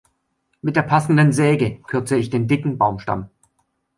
Mit der passenden Säge kürze ich den dicken Baumstamm.